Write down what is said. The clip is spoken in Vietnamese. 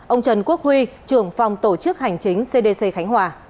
ông trần quốc huy trưởng phòng tổ chức hành chính cdc khánh hòa